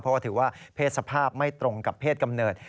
เพราะว่าถือว่าเพศสภาพไม่ตรงกับเพศกำเนิด